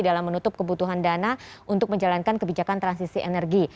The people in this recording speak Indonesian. dalam menutup kebutuhan dana untuk menjalankan kebijakan transisi energi